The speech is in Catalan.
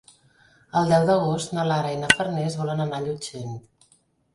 El deu d'agost na Lara i na Farners volen anar a Llutxent.